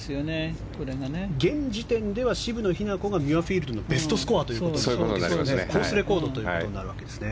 現時点で渋野日向子がミュアフィールドのベストスコアコースレコードということに。